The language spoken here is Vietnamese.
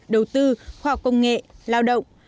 đầu tư khoa học công nghệ lao động